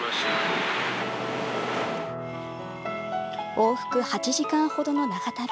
往復８時間ほどの長旅。